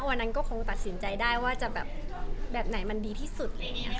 ตอนนั้นก็คงตัดสินใจได้ว่าจะแบบแบบไหนมันดีที่สุด